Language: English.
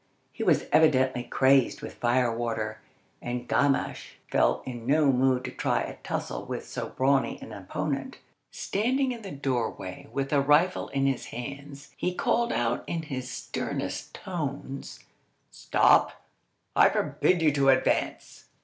He was evidently crazed with fire water, and Gamache felt in no mood to try a tussle with so brawny an opponent. Standing in the doorway, with a rifle in his hands, he called out in his sternest tones,— "Stop! I forbid you to advance."